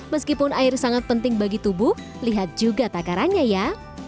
meskipun air sangat penting bagi tubuh lihat juga takarannya ya